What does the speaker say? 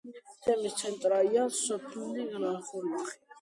თემის ცენტრია სოფელი ლალხორალი.